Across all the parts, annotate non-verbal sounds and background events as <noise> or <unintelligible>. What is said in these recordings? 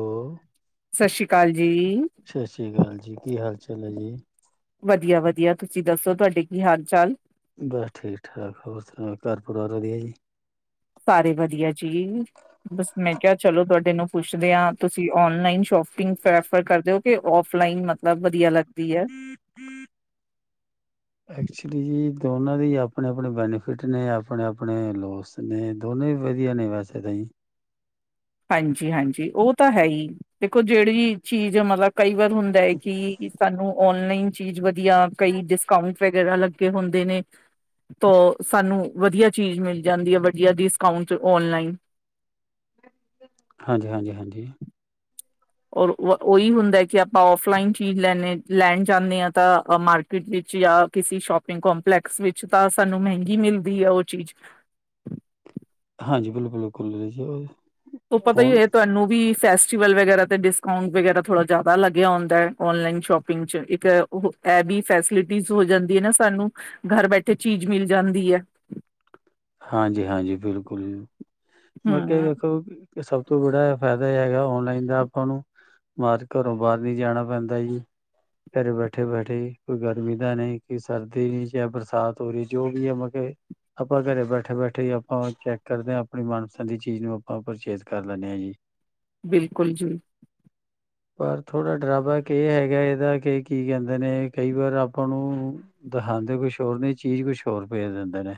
ਓ ਸਸ ਸ਼੍ਰੀ ਕਾਲ ਜੀ। ਸ਼ਸ਼ ਸ਼੍ਰੀ ਕਾਲ ਜੀ। ਕੀ ਹਾਲ ਚਾਲ ਐ ਜੀ? ਵਧੀਆ-ਵਧੀਆ ਤੁਸੀ ਦੱਸੋ ਤੁਆਡੇ ਕੀ ਹਾਲ ਚਾਲ? ਬਸ ਠੀਕ-ਠਾਕ। ਹੋਰ ਸੁਣਾਓ ਘਰ ਪਰਿਵਾਰ ਵਧੀਆ ਜੀ? ਸਾਰੇ ਵਧੀਆ ਜੀ। ਬਸ ਮੈਂ ਕਿਆ ਚਲੋ ਤੁਆਡੇ ਨੂੰ ਪੁੱਛਦੇ ਆਂ ਤੁਸੀ ਓਨਲਾਈਨ ਸ਼ੋਫਿੰਗ ਪ੍ਰੈਫਰ ਕਰਦੇ ਓ ਕੇ ਓਫਲਾਈਨ ਮਤਲਬ ਵਧੀਆ ਲੱਗਦੀ ਐ? ਹੂੰ। ਐਕਚੁਲੀ ਜੀ ਦੋਨਾਂ ਦੇ ਈ ਆਪਣੇ-ਆਪਣੇ ਬੈਨੀਫਿਟ ਨੇ, ਆਪਣੇ-ਆਪਣੇ ਲੋਸ ਨਈ ਦੋਨੋਂ ਵੀ ਵਧੀਆ ਨੇ ਵੈਸੇ ਤੇ। ਹਾਂਜੀ-ਹਾਂਜੀ ਓ ਤਾਂ ਹੈ ਈ। ਦੇਖੋ ਜੜੀ ਵੀ ਚੀਜ ਐ ਮਤਲਬ ਕਈ ਵਾਰ ਹੁੰਦਾ ਏ ਕਿ ਸਾਨੂੰ ਓਨਲਾਈਨ ਚੀਜ਼ ਵਧੀਆ, ਕਈ ਡਿਸਕਾਊਂਟ ਵਗੈਰਾ ਲੱ ਗੇ ਹੁੰਦੇ ਨੇ ਤੋ ਸਾਨੂੰ ਵਧੀਆ ਚੀਜ਼ ਮਿਲ ਜਾਂਦੀ ਏ ਵਧੀਆ ਡਿਸਕਾਊਂਟ 'ਚ ਓਨਲਾਈਨ ਹਾਂਜੀ-ਹਾਂਜੀ-ਹਾਂਜੀ। ਔਰ ਉਵ ਓਈ ਹੁੰਦੈ ਕਿ ਆਪਾਂ ਓਫਲਾਈਨ ਚੀਜ਼ ਲੈਣੇ ਲੈਣ ਜਾਂਨੇ ਆਂ ਤਾਂ ਅ ਮਾਰ ਕਿਟ ਵਿੱਚ ਯਾਂ ਕਿਸੀ ਸ਼ੋਪਿੰਗ ਕੋਂਪਲੈਕਸ ਵਿੱਚ ਤਾਂ ਸਾਨੂੰ ਮੈਹੰਗੀ ਮਿਲਦੀ ਆ ਓ ਚੀਜ। ਹਾਂਜੀ ਬਿਲਕੁਲ-ਬਿਲਕੁਲ <unintelligible> ਤੇ ਪਤਾ ਈ ਹੋਏ ਤੁਆਨੂੰ ਵੀ ਫੈਸਟੀਵਲ ਵਗੈਰਾ ਤੇ, ਡਿਸਕਾਊਂਟ ਵਗੈਰਾ ਥੋੜਾ ਜਿਆਦਾ ਲੱਗਿਆ ਹੁੰਦੈ ਓਨਲਾਈਨ ਸ਼ੋਪਿੰਗ 'ਚ। ਇੱਕ ਉਹ ਐ ਵੀ ਫੈਸਿਲਿਟੀਜ਼ ਹੋ ਜਾਂਦੀ ਏ ਨਾ ਸਾਨੂੰ, ਘਰ ਬੈਠੇ ਚੀਜ਼ ਮਿਲ ਜਾਂਦੀ ਐ। ਹਾਂਜੀ-ਹਾਂਜੀ, ਬਿਲਕੁਲ ਜੀ। ਬਾਕੀ ਐ ਹਮ ਦੇਖੋ ਤੇ ਸਭ ਤੋਂ ਬੜਾ ਐ ਫਾਏਦਾ ਏ ਹੈਗਾ ਔਨਲਾਈਨ ਦਾ ਆਪਾਂ ਨੂੰ ਬਾਦ ਘਰੋਂ ਬਾਰ ਨੀ ਜਾਣਾ ਪੈਂਦਾ ਜੀ। ਘਰੇ ਬੈਠੇ-ਬੈਠੇ ਜੀ ਕੋਈ ਗਰਮੀ ਦਾ ਨਈ, ਕੋਈ ਸਰਦੀ ਨੀ, ਚਾਏ ਬਰਸਾਤ ਹੋ ਰਈ, ਜੋ ਵੀ ਐ ਮ ਕੇ ਆਪਾਂ ਘਰੇ ਬੈਠੇ-ਬੈਠੇ ਈ ਆਪਾਂ ਚੈੱਕ ਕਰਦੇ ਆਂ ਆਪਣੀ ਮਨ ਪਸੰਦ ਦੀ ਚੀਜ਼ ਨੂੰ ਆਪਾਂ ਪਰਚੇਜ ਕਰ ਲੈਂਨੇ ਆ ਜੀ। ਬਿਲਕੁਲ ਜੀ। ਪਰ ਥੋੜਾ ਡਰਾ ਬੈਕ ਏੱਕ ਐ ਹੈਗੈ ਏਦਾ ਕੇ ਕੀ ਕੈਂਦੇ ਨੇ ਕਈ ਵਾਰ ਆਪਾਂ ਨੂੰ ਦਖਾਂਦੇ ਕੁਛ ਹੋਰ ਨੇ ਜ ਚੀਜ ਕੁਛ ਹੋਰ ਭੇਜ ਦਿੰਦੇ ਨੇ।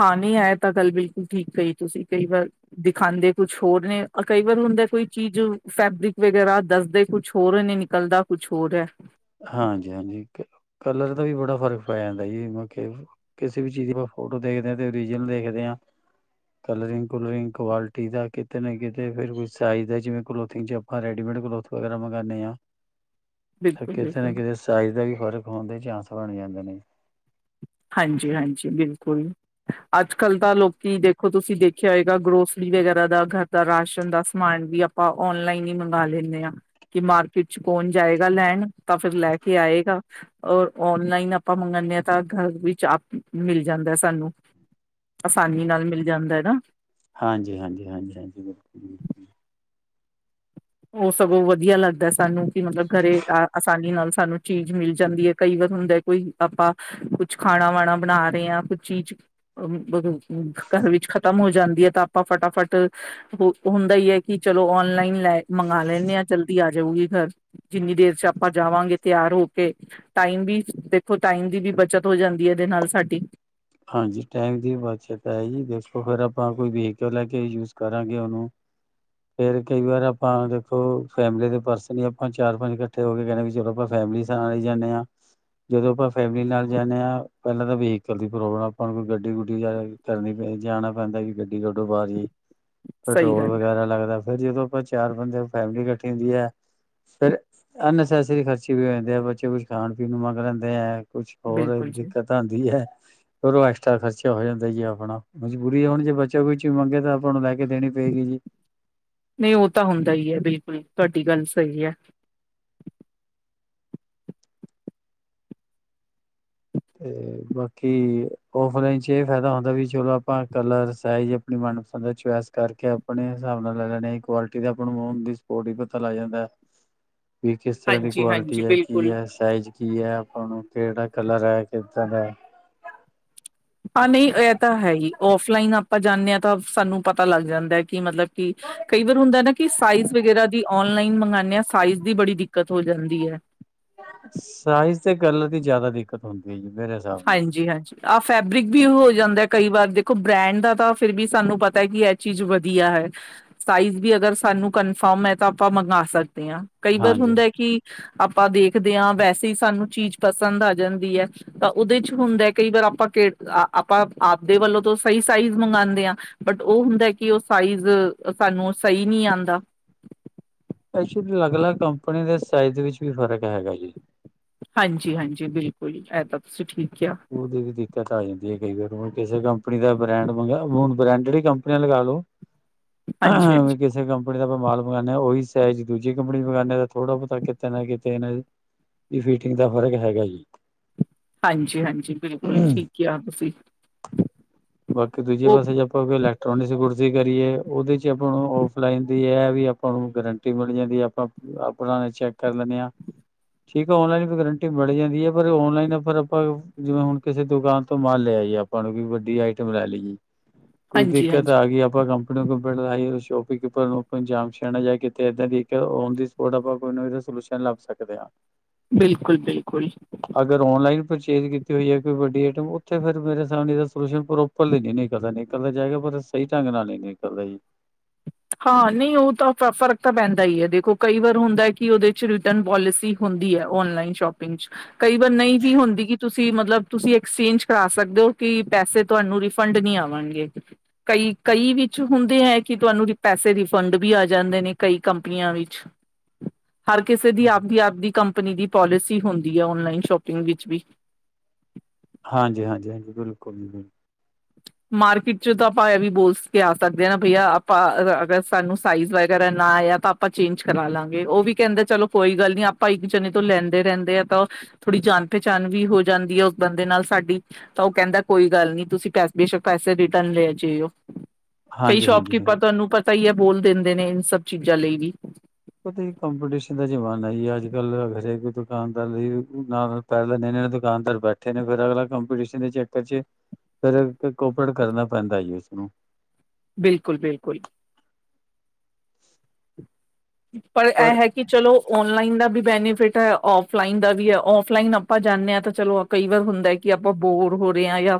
ਹਾਂ ਨਈ ਐ ਤਾਂ ਗੱਲ ਬਿਲਕੁਲ ਠੀਕ ਕਈ ਤੁਸੀ। ਕਈ ਵਾਰ ਦਿਖਾਂਦੇ ਕੁਛ ਹੋਰ ਨੇ ਅ ਕਈ ਵਾਰ ਹੁੰਦੈ ਕੋਈ ਚੀਜ ਫੈਬਰਿਕ ਵਗੈਰਾ ਦੱਸਦੇ ਕੁਛ ਹੋਰ ਨੇ, ਨਿਕਲਦਾ ਕੁਛ ਹੋਰ ਐ ਹਾਂਜੀ- ਹਾਂਜੀ ਕਲਰ ਦਾ, ਵੀ ਬੜਾ ਫਰਕ ਪੈ ਜਾਂਦਾ ਜੀ ਕਿਸੇ ਵੀ ਚੀਜ਼ ਦੀ, ਆਪਾਂ ਫੋਟੋ ਦੇਖਦੇ ਹਾਂ, ਤੇ ਓਰੀਜਨਲ ਦੇਖਦੇ ਹਾਂ। ਕਲਰਿੰਗ -ਕੁਲਰਿੰਗ ਕੁਆਲਿਟੀ ਦਾ ਕਿਤੇ ਨਾ, ਕਿਤੇ ਫੇਰ ਵੀ ਸਾਈਜ ਦਾ ਜਿਵੇਂ ਕਲੋਥਿੰਗ 'ਚ ਰੇਡੀਮੇਡ ਕਲੋਥ ਵਗੈਰਾ ਮੰਗਾਨੇ ਆਂ। ਬਿਲਕੁਲ ਕਿਤੇ ਨਾ ਬਿਲਕੁਲ ਕਿਤੇ, ਸਾਈਜ ਦਾ ਵੀ ਫ਼ਰਕ ਹੋਣ ਦੇ ਚਾਂਸ ਬਣ ਜਾਂਦੇ ਨੇ। ਹਾਂਜੀ-ਹਾਂਜੀ, ਬਿਲਕੁਲ, ਅੱਜ-ਕੱਲ੍ਹ ਤਾਂ ਲੋਕੀ ਦੇਖੋ ਤੁਸੀਂ ਦੇਖਿਆ ਹੋਏਗਾ, ਗਰੋਸਰੀ ਵਗੈਰਾ ਦਾ ਘਰ ਦਾ ਰਾਸ਼ਨ ਦਾ ਸਮਾਨ ਵੀ, ਆਪਾਂ, ਔਨਲਾਈਨ ਈ ਮੰਗਵਾ ਲੈਂਨੇ ਆ। ਕਿ ਮਾਰਕੀਟ ਚ ਕੌਣ ਜਾਏਗਾ ਲੈਣ, ਤਾਂ ਫਿਰ ਲੈ ਕੇ ਆਏਗਾ। ਔਰ ਔਨਲਾਈਨ, ਆਪਾਂ ਮੰਗਾਨੇ ਆ ਤਾਂ ਘਰ ਵਿੱਚ ਆਪ ਮਿਲ ਜਾਂਦਾ, ਸਾਨੂੰ ਆਸਾਨੀ ਨਾਲ ਮਿਲ ਜਾਂਦਾ ਐ ਨਾ ਹਾਂਜੀ-ਹਾਂਜੀ, ਹਾਂਜੀ-ਹਾਂਜੀ, ਬਿਲਕੁਲ -ਬਿਲਕੁਲ ਓ ਸਗੋਂ ਵਧੀਆ ਲੱਗਦਾ, ਸਾਨੂੰ ਕਿ ਮਤਲਬ ਘਰੇ ਆ ਆਸਾਨੀ ਨਾਲ ਸਾਨੂੰ, ਚੀਜ ਮਿਲ ਜਾਂਦੀ ਐ, ਕਈ ਵਾਰ ਹੁੰਦਾ ਕੋਈ ਆਪਾਂ ਕੁਛ ਖਾਣਾ ਵਾਣਾ ਬਣਾ ਰਏ ਆਂ ਕੁੱਛ ਚੀਜ ਘਰ ਵਿੱਚ ਖਤਮ ਹੋ ਜਾਂਦੀ ਐ। ਤਾਂ ਆਪਾਂ ਫਟਾਫਟ ਹੁੰਦਾ ਈ ਐ ਕਿ, ਚਲੋ ਓਨਲਾਈਨ ਲੈ, ਮੰਗਾ ਲੈਂਨੇ ਆਂ ਜਲਦੀ ਆ ਜਾਊਗੀ ਘਰ, ਜਿੰਨੀ, ਦੇਰ 'ਚ ਆਪਾਂ ਜਾਵਾਂਗੇ ਤੇਆਰ ਹੋ ਕੇ, ਟਾਈਮ ਵੀ ਦੇਖੋ ਟਾਈਮ, ਦੀ ਵੀ ਬੱਚਤ ਹੋ ਜਾਂਦੀ ਐ, ਇਦੇ ਨਾਲ ਸਾਡੀ, ਹਾਂਜੀ, ਟਾਈਮ ਦੀ ਬੱਚਤ ਐ, ਜੀ ਦੇਖੋ ਫਿਰ ਆਪਾਂ ਕੋਈ ਵੀਕਲ ਲੈ ਕੇ ਯੂਜ ਕਰਾਂਗੇ ਓਨੂੰ, ਫੇਰ ਕਈ ਵਾਰ ਆਪਾਂ ਦੇਖੋ, ਫੈਮਲੀ ਦੇ ਪਰਸਨ ਈ ਆਪਾਂ ਚਾਰ, ਪੰਜ ਕੱਠੇ, ਫੇਰ ਓ ਕੈੰਦੇ ਵੀ ਚਲੋ, ਆਪਾਂ ਫੈਮਲੀ ਚ ਆ ਈ ਜਾਂਨੇ ਆਂ। ਜਦੋਂ ਆਪਾਂ, ਫੈਮਲੀ ਨਾਲ ਜਾਂਨੇ ਆਂ ਪੈਲਾਂ ਤਾਂ ਵਹੀਕਲ ਦੀ ਗੋ ਆਪਾਂ ਨੂੰ, ਕੋਈ ਗੱਡੀ -ਗੁੱਡੀ ਕਰਨੀ ਪੈਂ ਜਾਣੀ ਪੈਂਦਾ ਕਿ ਗੱਡੀ ਕੱਢੋ ਬਾਹਰ ਜੀ, ਸਹੀ ਪੈਟਰੋਲ ਗੱਲ ਹੈ ਵਗੈਰਾ ਲੱਗਦੈ, ਫੇਰ ਜਦੋਂ ਆਪਾਂ ਚਾਰ ਬੰਦੇ ਫੈਮਲੀ ਕੱਠੀ ਹੁੰਦੀ ਐ। ਫੇਰ ਅਨਨਸੈਸਰੀ ਖਰਚੇ ਵੀ ਹੋ ਜਾਂਦੇ ਆ, ਬੱਚੇ ਕੁਝ ਖਾਣ- ਪੀਣ ਨੂੰ ਮੰਗ ਲੈਂਦੇ ਆ, ਕੁਛ ਹੋਰੇ ਬਿਲਕੁਲ ਜੀ ਦਿੱਕਤ ਆਂਦੀ ਹੈ। ਫੇਰ ਓ ਐਕਸਟਰਾ ਖਰਚਾ ਹੋ ਜਾਂਦਾ ਜੀ ਆਪਣਾ, ਮਜਬੂਰੀ ਐ ਹੁਣ ਜੇ ਬੱਚਾ ਕੋਈ ਚੀ ਮੰਗੇ ਤਾਂ ਆਪਾਂ ਨੂੰ ਲੈ ਕੇ ਦੇਣੀ ਪਏਗੀ ਜੀ। ਨਈ ਓ ਤਾਂ ਹੁੰਦਾ ਈ ਐ ਬਿਲਕੁਲ, ਤੁਆਡੀ ਗੱਲ ਸਈ ਐ। ਤੇ, ਬਾਕੀ ਔਫਲਾਈਨ ਚ ਏਹ ਫਾਏਦਾ ਹੁੰਦਾ ਵੀ ਚਲੋ ਆਪਾਂ ਕਲਰ, ਸਾਈਜ ਆਪਣੀ ਮਨਪਸੰਦ ਦਾ ਚੁਆਏਸ ਕਰਕੇ ਆਪਣੇ ਹਿਸਾਬ ਨਾਲ ਲੈ ਲੈਨੇ, ਕੁਆਲਟੀ ਦੇ ਆਪਾਂ ਨੂੰ ਔਨ ਦੀ ਸਪੋਟ ਈ ਪਤਾ ਲੱਗ ਜਾਂਦਾ। ਵੀ ਕਿਸ ਤਰ੍ਹਾਂ ਦੀ ਹਾਂਜੀ, ਹਾਂਜੀ ਕੁਆਲਟੀ ਐ, ਕੀ ਬਿਲਕੁਲ। ਐ, ਸ ਸਾਈਜ ਕੀ ਐ, ਆਪਾਂ ਨੂੰ ਕੇਹੜਾ ਕਲਰ ਐ, ਕਿੱਦਾਂ ਦੈ ਹਾਂ ਨਈ ਏਹ ਤਾਂ ਹੈ ਈ, ਔਫਲਾਈਨ ਆਪਾਂ ਜਾਂਨੇ ਆਂ ਤਾਂ, ਸਾਨੂੰ ਪਤਾ ਲੱਗ ਜਾਂਦਾ ਕਿ, ਮਤਲਬ, ਕਿ ਕਈ ਵਾਰ ਹੁੰਦਾ ਨਾ, ਕਿ ਸਾਈਜ਼ ਵਗੈਰਾ ਦੀ ਓਨ ਓਨਲਾਈਨ ਮੰਗਾਨੇ ਆਂ, ਸਾਈਜ਼ ਦੀ ਬੜੀ ਦਿੱਕਤ ਹੋ ਜਾਂਦੀ ਐ। ਸਾਈਜ਼ ਤੇ ਕਲਰ ਦੀ ਜਾਦਾ ਦਿੱਕਤ ਹੁੰਦੀ ਐ, ਮੇਰੇ ਹਿਸਾਬ ਨਾਲ ਹਾਂਜੀ-ਹਾਂਜੀ। ਆਹ ਫੈਬਰਿਕ ਵੀ ਹੋ ਜਾਂਦਾ ਕਈ ਵਾਰ ਦੇਖੋ ਬ੍ਰੈਂਡ ਦਾ, ਤਾਂ ਫਿਰ ਵੀ ਸਾਨੂੰ ਪਤਾ ਕਿ ਐ ਚੀਜ਼ ਵਧੀਆ ਹੈ। ਸਾਈਜ਼ ਵੀ ਅਗਰ ਸਾਨੂੰ ਕਨਫਰਮ ਐ ਤਾਂ ਆਪਾਂ ਮੰਗਾਂ ਸਕਦੇ ਆਂ। ਕਈ ਵਾਰ ਹਾਂਜੀ ਹੁੰਦਾ ਕਿ, ਆਪਾਂ ਦੇਖਦੇ ਆਂ ਵੈਸੇ, ਈ ਸਾਨੂੰ ਚੀਜ਼ ਪਸੰਦ ਆ ਜਾਂਦੀ ਐ। ਉਦੇ 'ਚ ਹੁੰਦਾ ਕਈ ਵਾਰ, ਆਪਾਂ ਤੇ ਆਪਾਂ ਆਪਦੇ ਵੱਲੋਂ, ਤੋਂ ਸਈ ਸਾਈਜ਼ ਮੰਗਾਂਦੇ ਆਂ। ਬਟ ਓ ਹੁੰਦਾ, ਕਿ ਓ ਸਾਈਜ਼ ਸਾਨੂੰ ਸਈ ਨੀਂ ਆਂਦਾ। ਐਕਚਲੀ ਅਲੱਗ -ਅਲੱਗ ਕੰਪਨੀ ਦੇ ਸਾਈਜ਼ ਵਿਚ ਵੀ ਫ਼ਰਕ ਹੈਗਾ ਜੀ‌। ਹਾਂਜੀ-ਹਾਂਜੀ, ਬਿਲਕੁਲ ਈ ਐ ਤਾਂ ਤੁਸੀਂ ਠੀਕ ਕਿਆ। ਓਹਦੀ ਵੀ ਦਿੱਕਤ ਆ ਜਾਂਦੀ ਹੈ, ਕਈ ਵਾਰ ਕਿਸੇ ਕੰਪਨੀ ਦਾ ਬ੍ਰੈਂਡ ਮੰਗੇਯਾ ਹੁਣ ਬ੍ਰੈਂਡੇਡ ਈ ਕੰਪ ੀਆਂ ਲਗਾ ਲਓ ਹਾਂਜੀ ਵੀ, ਹਾਂਜੀ ਕਿਸੇ ਕੰ ਕੰਪਨੀ ਦਾ ਮੈ ਮਾਲ ਮੰਗਾਨੇ ਹਾਂ, ਓਹੀ ਸੈਜ਼ ਦੂਜੀ ਕੰਪਨੀ ਦਾ ਮੰਗਾਨੇ ਹਾਂ, ਤੇ ਥੋੜਾ ਬੋਤਾ ਕਿਤੇ ਨਾ ਕਿਤੇ ਏਹ ਵੀ ਫੀਟਿੰਗ ਤਾਂ ਫਰਕ ਹੈਗਾ ਈ ਏ। ਹਾਂਜੀ-ਹਾਂਜੀ, ਬਿਲਕੁਲ, ਠੀਕ ਕਿਆ ਤੁਸੀਂ। ਬਾਕੀ ਦੂਜੇ ਉਹ ਪਾਸੇ ਜਾਓ ਕਿਉਂਕਿ ਇਲੈਕਟ੍ਰੋਨਿਕਸ ਗੁਡਸ ਦੀ ਕਰੀਏ ਓਹਦੇ 'ਚ ਆਪਾਂ ਨੂੰ ਔਫਲਾਈਨ ਦੀ ਏਹ ਹੈ ਵੀ ਆਪਾਂ ਨੂੰ ਗਰੰਟੀ ਮਿਲ ਜਾਂਦੀ ਏ, ਆਪਾਂ ਆਪਣਾ ਚੈਕ ਕਰ ਲੈੇਨੇ ਆਾਂ ਠੀਕ ਆ ਔਨਲਾਈਨ ਦੀ ਗਰੰਟੀ ਮਿਲ ਜਾਂਦੀ ਹੈ ਪਰ ਔਨਲਾਈਨ ਫਿਰ ਆਪਾਂ ਜਿਵੇਂ ਹੁਣ, ਕਿਸੇ ਦੁਕਾਨ ਤੋਂ ਮਾਲ ਲੈ ਆਈਏ ਆਪਾਂ ਮਲਬ ਕੀ ਵਦੀਆ ਆਈਟਮ ਲੈ ਲਈਏ, ਕੋਈ ਹਾਂਜੀ ਹਾਂਜੀ ਦਿੱਕਤ ਆ ਗਈ ਆਪਾਂ ਕੰਪ <unintelligible> ਹੋਰ ਆਪਾਂ ਕੋਈ ਨਾ ਕੋਈ ਸੋਲੂਸ਼ਨ ਲੱਬ ਸਕਦੇ ਆਂ। ਬਿਲਕੁਲ-ਬਿਲਕੁਲ। ਅਗਰ ਔਨਲਾਈਨ ਪਰਚੇਜ ਕੀਤੀ ਹੋਈ ਹੈ ਕੋਈ ਵੱਡੀ ਆਈਟਮ ਓਥੇ ਫੇੇਰ ਮੇਰੇ ਏਨਾਂ ਦਾ ਸੋਲੂਸ਼ਨ ਪ੍ਰੋਪਰਲੀ ਨੀ ਨਿਕਲਦਾ। ਨਿਕਲ ਤਾਂ ਜਾਏਗਾ ਪਰ ਸਈ ਢੰਗ ਨਾਲ ਨਈ ਨਿਕਲਦਾ ਜੀ। ਹਾਂ, ਨਈ ਓਹ ਤਾਂ ਫ ਫਰਕ ਤਾਂ ਪੈਂਦਾ ਈ ਐ। ਦੇਖੋ ਕਈ ਵਾਰ ਹੁੰਦੈ ਕਿ ਓਹਦੇ ਚ ਰਿਟਨ ਪੋਲਿਸੀ ਹੁੰਦੀ ਐ ਔਨਲਾਈਨ ਸ਼ੋਪਿੰਗ ਚ। ਕਈ ਵਾਰ ਨਈ ਵੀ ਹੁੰਦੀ ਕਿ ਤੁਸੀਂ ਕਿ ਮਤਲਬ ਤੁਸੀਂ ਐਕਸਚੇਂਜ ਕਰਾ ਸਕਦੇ ਓ, ਕਿ ਪੈਸੇ ਤੁਵਾਨੂੰ ਰਿਫੰਡ ਨਈ ਆਵਨਗੇ। ਕਈ-ਕਈ ਵਿੱਚ ਹੁੰਦੇ ਐ। ਕਿ ਤਵਾਨੂੰ ਪੈਸੇ ਰਿਫੰਡ ਵੀ ਆ ਜਾਂਦੇ ਨੇ ਕਈ ਕੰਪਨੀਆਂ ਵਿੱਚ। ਹਰ ਕਿਸੇ ਦੀ ਆਪਦੀ-ਆਪਦੀ ਕੰਪਨੀ ਦੀ ਪੋਲਿਸੀ ਹੁੰਦੀ ਐ ਓਨਲਾਈਨ ਸ਼ੋਪਿੰਗ ਵਿੱਚ ਵੀ। ਹਾਂਜੀ-ਹਾਂਜੀ-ਹਾਂਜੀ, ਬਿਲਕੁਲ ਜੀ ਬਿਲ ਮਾਰਕੀਟ 'ਚ ਤਾਂ ਆਪਾਂ ਐਹ ਵੀ ਬੋਲ ਸ ਕੇ ਆ ਸਕਦੇ ਹਾਂ ਨਾ ਭਈਆ ਆਪਾਂ ਅਗਰ ਸਾਨੂੰ ਸਾਈਜ਼ ਵਗੈਰਾ ਨਾ ਆਇਆ ਤਾਂ ਆਪਾਂ ਚੇਂਜ ਕਰਾ ਲਾਂਗੇ। ਓ ਵੀ ਕੈਂਦੇ ਚਲੋ ਕੋਈ ਗੱਲ ਨੀ ਆਪਾਂ ਭਾਈ ਗੁਰਚਰਨੇ ਤੋਂ ਲੈਂਦੇ ਰੈਂਦੇ ਐ ਤਾਂ ਓਹ ਥੋੜੀ ਜਾਨ ਪਹਚਾਨ ਵੀ ਹੋ ਜਾਂਦੀ ਹੈ ਓਸ ਬੰਦੇ ਨਾਲ ਸਾਡੀ, ਤਾਂ ਓਹ ਕਹੈਂਦਾ ਕੋਈ ਗੱਲ ਨਹੀਂ ਤੁਸੀਂ ਪੈਸੇ ਬੇਸ਼ਕ ਪੈਸੇ ਰਿਟਨ ਲੈ ਜਈਓ। ਕਈ ਹਾਂਜੀ ਹਾਂਜੀ ਹਾਂਜੀ ਸ਼ੋਪਕੀਪਰ ਤਵਾਨੂੰ ਪ ਤਾਂ ਹੀ ਐ ਬੋਲ ਦੇੰਦੇ ਨੇ ਇਨ ਸਭ ਚੀਜ਼ਾਂ ਲਈ ਵੀ ਓਹਤੇ ਕੰਪੀਟੀਸ਼ਨ ਦਾ ਜ਼ਮਾਨਾ ਜੀ ਅੱਜ-ਕੱਲ੍ਹ, ਹਰੇਕ ਦੁਕਾਨਦਾਰ ਲਈ, ਨਾਲ ਪੈਹਲਾਂ <unintelligible> ਦੁਕਾਨਦਾਰ ਬੈਠੇ ਨੇ, ਫਿਰ ਅਗਲਾ ਕੰਪੀਟੀਸ਼ਨ ਦੇ ਚੱਕਰ ਚ' ਪਰ ਤੇ ਕੋਪਰੇਟ ਕਰਨਾ ਪੈਂਦੈ ਜੀ, ਉਸਨੂੰ ਬਿਲਕੁਲ-ਬਿਲਕੁਲ ਵਿੱਚ ਪਰ ਐ ਹੈ ਕਿ ਕਿ ਚਲੋ ਔਨਲਾਈਨ ਦਾ ਵੀ ਬੈਨੀਫਿਟ ਹੈ, ਔਫਲਾਈਨ ਦਾ ਵੀ ਹੈ। ਔਫਲਾਈਨ ਆਪਾਂ ਜਾਨੇ ਹਾਂ ਤੇ ਚਲੋ ਕਈ ਵਾਰ ਹੁੰਦੈ ਕਿ ਆਪਾਂ ਬੋਰ ਹੋ ਰਹੇ ਹਾਂ ਯਾ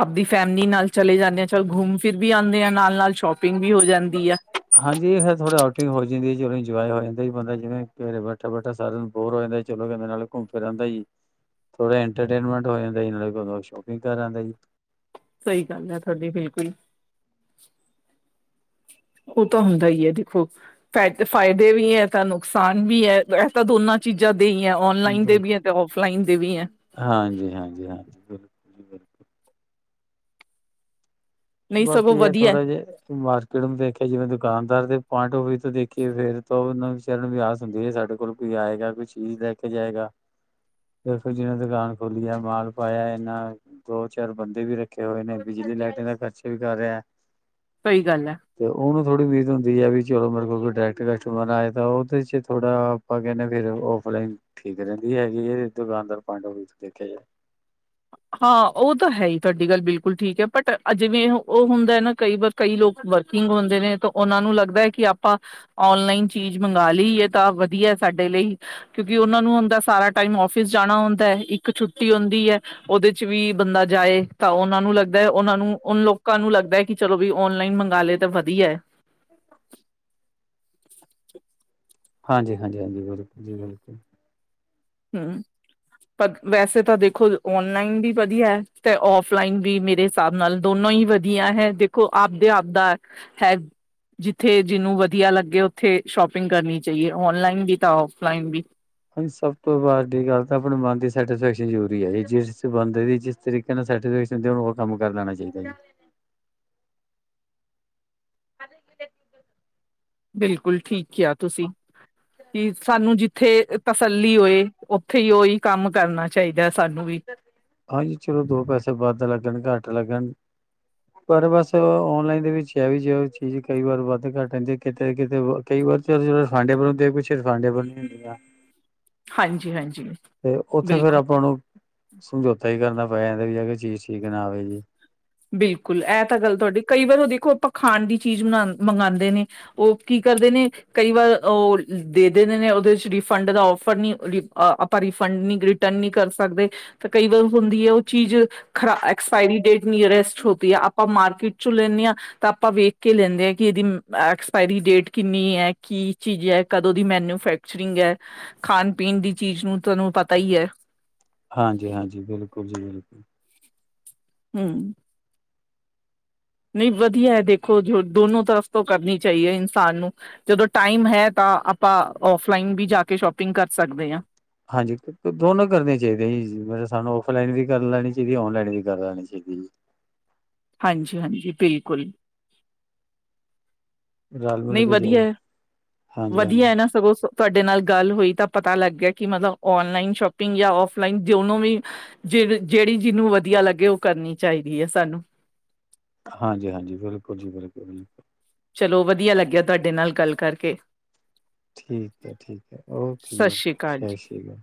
ਆਪਦੀ ਫੈਮਲੀ ਨਾਲ ਚਲੇ ਜਾਨੇ ਆ, ਚਲ ਘੂੰਮ ਫਿਰ ਵੀ ਆਂਦੇ ਆ ਨਾਲ ਨਾਲ ਸ਼ੋਪਿੰਗ ਵੀ ਹੋ ਜਾਂਦੀ ਐ। ਹਾਂਜੀ, ਫੇਰ ਥੋੜਾ ਆਊਟਿੰਗ ਹੋ ਜਾਂਦੀ, ਜਿਵੇਂ ਇੰਜੋਯ ਹੋ ਜਾਂਦਾ। ਬੰਦਾ ਜਿਵੇਂ ਘਰੇ ਬੈਠਾ ਬੈਠਾ ਸਾਰਾ ਦਿਨ ਬੋਰ ਹੋ ਜਾਂਦਾ। ਚਲਾ ਜਾਂਦਾ ਨਾਲ ਘੁੰਮ ਫਿਰ ਆਂਦਾ ਈ ਏ। ਥੋੜ੍ਹਾ ਐਂਟਰਟੇਨਮੈਂਟ ਹੋ ਜਾਂਦਾ ਇੰਜ ਲਗਦਾ, ਨਾਲ ਸ਼ੋਪਿੰਗ ਕਰ ਆਂਦਾ ਜੀ। ਸਈ ਗੱਲ ਹੈ ਤਵਾਡੀ, ਬਿਲਕੁਲ। ਏਹ ਤਾਂ ਹੁੰਦਾ ਈ ਐ, ਦੇਖੋ। ਫੈ ਫਾਇਦੇ ਵੀ ਐ ਤਾਂ ਨੁਕਸਾਨ ਵੀ ਐ। ਐਹ ਤਾਂ ਦੋਨਾਂ ਚੀਜਾਂ ਦੇ ਹੀ ਆਂ ਓਨਲਾਈਨ ਦੇ ਵੀ ਐਂ ਤੇ ਔਫਲਾਈਨ ਦੇ ਵੀ ਐਂ। ਹਾਂਜੀ-ਹਾਂਜੀ-ਹਾਂਜੀ, ਬਿਲਕੁਲ ਜੀ ਬਿਲਕੁਲ। ਨਹੀਂ ਬਾਕੀ ਸਗੋਂ ਐ ਵਧੀਆ ਥੋੜਾ ਜਿਆ ਮਾਰ ਕਿੜਮ ਦੇਖਿਆ ਜਿਵੇਂ ਦੁਕਾਨਦਾਰ ਦੇ ਪੁਆਇੰਟ ਓਫ ਵਿਯੂ ਤੋਂ ਦੇਖੀਏ ਫੇਰ ਤੋਂ ਉਨੂੰ ਵਿਚਾਰੇ ਨੂੰ ਆਸ ਹੁੰਦੀ ਏ ਸਾਡੇ ਕੋਲ ਕੋਈ ਆਏਗਾ, ਕੋਈ ਚੀਜ਼ ਲੈ ਕੇ ਜਾਏਗਾ। ਦੇਖੋ ਜਿਵੇਂ ਦੁਕਾਨ ਖੋਲੀ ਆ, ਮਾਲ ਪਾਇਆ ਏਨਾਂ ਦੋ-ਚਾਰ ਬੰਦੇ ਵੀ ਰੱਖੇ ਹੋਏ ਨੇ। ਬਿਜਲੀ ਲਾਈਟਾਂ ਦਾ ਖਰਚਾ ਵੀ ਕਰ ਰਿਆਂ। ਸਈ ਗੱਲ ਐ। ਤੇ ਓਨੂੰ ਥੋੜੀ ਉਮੀਦ ਹੁੰਦੀ ਐ ਵੀ ਚਲੋ ਮੇਰੇ ਕੋਲ ਕੋਈ ਡਾਇਰੈਕਟ ਕਸਟਮਰ ਆਏ ਤਾਂ ਓਦੇ 'ਚ ਈ ਥੋੜਾ ਓ ਕੇਨੇਂ ਆ ਫੇਰ ਔਫਲਾਈਨ ਠੀਕ ਰੇਂਦੀ ਹੈਗੀ ਏ ਜੇ ਦੁਕਾਨਦਾਰ <unintelligible> ਦੇਖਿਆ ਜਾਏ। ਹਾਂ ਓ ਤਾਂ ਹੈ ਈ ਤੁਆਡੀ ਗੱਲ ਬਿਲਕੁਲ ਠੀਕ ਐ ਬਟ ਅਜੇ ਵੀ ਇਹ ਓ ਹੁੰਦੈ ਨਾ ਕਈ ਵਾਰ ਕਈ ਲੋਕ ਵਰਕਿੰਗ ਹੋਂਦੇ ਨੇ ਤਾਂ ਓਨਾਂ ਨੂੰ ਲੱਗਦੈ ਕਿ ਆਪਾਂ ਓਨਲਾਈਨ ਚੀਜ ਮੰਗਵਾ ਲਈ ਏ ਤਾਂ ਵਧੀਐ ਸਾਡੇ ਲਈ ਕਿਉਂਕਿ ਓਨਾ ਨੂੰ ਹੁੰਦੈ ਸਾਰਾ ਟਾਈਮ ਓਫਿਸ ਜਾਣਾ ਹੁੰਦੈ ਇੱਕ ਛੁੱਟੀ ਹੁੰਦੀ ਐ ਓਦੇ 'ਚ ਵੀ ਬੰਦਾ ਜਾਏ ਤਾਂ ਓਨਾਂ ਨੂੰ ਲੱਗਦੈ ਓਨਾਂ ਨੂੰ ਓਨ ਲੋ ਕਾਂ ਨੂੰ ਲੱਗਦੈ ਕਿ ਚਲੋ ਵੀ ਓਨਲਾਈਨ ਮੰਗ ਲਏ ਤਾਂ ਵਧੀਐ। ਹਾਂਜੀ-ਹਾਂਜੀ-ਹਾਂਜੀ, ਬਿਲਕੁਲ ਜੀ ਬਿਲਕੁਲ। ਹੂੰ। ਪਗ ਵੈਸੇ ਤਾਂ ਦੇਖੋ ਓਨਲਾਈਨ ਵੀ ਵਧੀਐਂ ਤੇ ਓਫਲਾਈਨ ਵੀ ਮੇਰੇ ਸਾਬ ਨਾਲ ਦੋਨੋ ਈ ਵਧੀਆ ਹੈ। ਦੇਖੋ ਆਪਦੇ ਆਪਦਾ <unintelligible> ਜਿੱਥੇ ਜਿਨੂੰ ਵਧੀਆ ਲੱਗੇ ਓਥੇ ਸ਼ੋਪਿੰਗ ਕਰਨੀ ਚਾਈਏ। ਓਨਲਾਈਨ ਵੀ ਤਾਂ ਓਫਲਾਈਨ ਵੀ। ਹਾਂਜੀ ਸਭ ਤੋਂ ਵਾਢੀ ਗੱਲ ਤਾਂ ਆਪਣੇ ਮਨ ਦੀ ਸੈਟਿਸਫੈਕਸ਼ਨ ਜਰੂਰੀ ਐ ਜੀ। ਜਿਸ ਬੰਦੇ ਦੀ ਜਿਸ ਤਰੀ ਕੇ ਨਾਲ ਸੈਟਿਸਫੈਕਸ਼ਨ ਤੇਨੂੰ ਓ ਕੰਮ ਕਰ ਲੈਣਾ ਚਾਹੀਦੈ ਜੀ। ਹਾਲੀ ਕਿਤੇ ਨਈ ਬਿਲਕੁਲ ਠੀਕ ਕਿਆ ਤੁਸੀ। ਕਿ ਸਾਨੂੰ ਜਿੱਥੇ ਅ ਤਸੱਲੀ ਹੋਏ ਓਥੇ ਈ ਓਈ ਕੰਮ ਕਰਨਾ ਚਾਈਦੈ ਸਾਨੂੰ ਵੀ। ਹਾਂਜੀ ਚਲੋ ਦੋ ਪੈਸੇ ਵੱਧ ਲੱਗਣ, ਘੱਟ ਲੱਗਣ ਪਰ ਬਸ ਓਨਲਾਈਨ ਦੇ ਵਿੱਚ ਹੈ ਵੀ ਜੇ ਓਈ ਚੀਜ਼ ਕਈ ਵਾਰ ਵੱਧ ਘੱਟ ਆਂਦੀ ਕਿਤੇ ਨਾ ਕਿਤੇ ਕਈ ਵਾਰ ਤੇ ਜੜੇ ਫਾਂਡੇ ਪਰਦੇ ਕੁਛ ਏਕ ਫਾਂਡੇ ਪਰ ਨ ਹੁੰਦੇ ਆ। ਹਾਂਜੀ, ਹਾਂਜੀ। ਤੇ ਓਥੇ ਫੇਰ ਬਿਲਕੁਲ ਆਪਾਂ ਨੂੰ ਸਮਝੌਤਾ ਈ ਕਰਨਾ ਪੈ ਜਾਂਦੈ ਵੀ ਐਵੇ ਚੀਜ਼ ਠੀਕ ਨਾ ਆਵੇ ਜੀ ਬਿਲਕੁਲ ਐ ਤਾਂ ਗੱਲ ਤੁਆਡੀ ਕਈ ਵਾਰ ਓ ਦੇਖੋ ਆਪਾਂ ਖਾਣ ਦੀ ਚੀਜ਼ ਨਾ ਮੰਗਾਂਦੇ ਨੇ ਓ ਕੀ ਕਰਦੇ ਨੇ ਕਈ ਵਾਰ ਓ ਦੇ ਦੇਂਦੇ ਨੇ ਉਦੇ 'ਚ ਰਿਫੰਡ ਦਾ ਓਫਰ ਨੀ ਨੀ ਆ ਪਾਂ ਰਿਫੰਡ ਨੀ ਰਿਟਰਨ ਨੀ ਕਰ ਸਕਦੇ ਫੇਰ ਕਈ ਵਾਰ ਹੁੰਦੀ ਏ ਓ ਚੀਜ ਖਰਾ ਐਕਸਪਾਇਰੀ ਡੇਟ ਨਿਅਰੈਸਟ ਹੋਤੀ ਐ। ਆਪਾਂ ਮਾਰਕੀਟ 'ਚੋਂ ਲੈਨੇ ਆਂ ਤਾਂ ਆਪਾਂ ਵੇਖ ਕੇ ਲੈਂਦੇ ਐਂ ਕਿ ਏਦੀ ਐਕਸਪਾਇਰੀ ਡੇਟ ਕਿੰਨੀ ਐ, ਕੀ ਚੀਜ ਐ, ਕਦੋਂ ਦੀ ਮੈਨਯੁਫੈਕ ਚਰਿੰਗ ਐ। ਖਾਨ ਪੀਨ ਦੀ ਚੀਜ ਨੂੰ ਤੁਆਨੂੰ ਪਤਾ ਈ ਐ। ਹਾਂਜੀ-ਹਾਂਜੀ, ਬਿਲਕੁਲ ਜੀ ਬਿਲਕੁਲ। ਹੂੰ। ਨਈ ਵਧੀਐ। ਦੇਖੋ ਜੋ ਦੋਨੋ ਤਰਫ਼ ਤੋਂ ਕਰਨੀ ਚਾਈਏ ਇਨਸਾਨ ਨੂੰ। ਜਦੋਂ ਟਾਈਮ ਹੈ ਤਾਂ ਆਪਾਂ ਓਫਲਾਈਨ ਵੀ ਜਾ ਕੇ ਸ਼ੋਪਿੰਗ ਕਰ ਸਕਦੇ ਆਂ। ਹਾਂਜੀ ਫੇਰ ਤੇ ਦੋਨੋਂ ਕਰਨੀਆਂ ਚਾਈਦੀਐਂ ਜੀ ਮਤਲਬ ਸਾਨੂੰ ਓਫਲਾਈਨ ਵੀ ਕਰ ਲੈਣੀ ਚਾਈਦੀ ਐ, ਓਨਲਾਈਨ ਵੀ ਕਰ ਲੈਣੀ ਚਾਈਦੀ ਐ ਜੀ। ਹਾਂਜੀ-ਹਾਂਜੀ, ਬਿਲਕੁਲ। ਰਲ ਮਿਲ ਨਈ ਕੇ ਚਾਹੀਦਾ ਵਧੀਐ, ਹਾਂਜੀ ਹਾਂਜੀ ਵਧੀਐ ਨਾ ਸਗੋਂ ਤੁਆਡੇ ਨਾਲ ਗੱਲ ਹੋਈ ਤਾਂ ਪਤਾ ਲੱਗ ਗਿਆ ਕਿ ਮਤਲਬ ਓਨਲਾਈਨ ਸ਼ੋਪਿੰਗ ਯਾ ਓਫਲਾਈਨ ਦੋਨੋ ਵੀ ਜਿਹ ਜਿਹੜੀ ਜਿਹਨੂੰ ਵਧੀਆ ਲੱਗੇ ਉਹ ਕਰਨੀ ਚਾਹੀਦੀ ਏ ਸਾਨੂੰ ਹਾਂਜੀ ਹਾਂਜੀ ਬਿਲਕੁਲ ਜੀ ਬਿਲਕੁਲ ਚਲੋ ਵਧੀਆ ਲੱਗਿਆ ਤੁਹਾਡੇ ਨਾਲ ਗੱਲ ਕਰਕੇ ਠੀਕ ਹੈ ਠੀਕ ਹੈ ਓਕੇ ਸਤਿ ਜੀ ਸ੍ਰੀ ਓਕੇ ਅਕਾਲ ਜੀ ਸਸ਼ ਈ ਕਾਲ